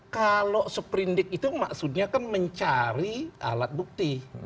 kalau seperindik itu maksudnya kan mencari alat bukti